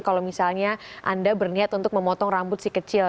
kalau misalnya anda berniat untuk memotong rambut si kecil